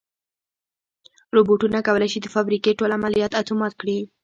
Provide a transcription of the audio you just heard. روبوټونه کولی شي د فابریکې ټول عملیات اتومات کړي.